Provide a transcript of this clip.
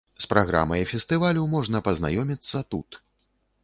З праграмай фестывалю можна пазнаёміцца тут.